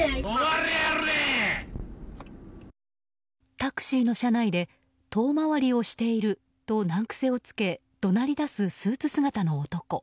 タクシーの車内で遠回りをしていると難癖をつけ怒鳴りだすスーツ姿の男。